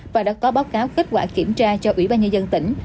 và đã có báo cáo kết quả kiểm tra cho ủy ban nhân dân tỉnh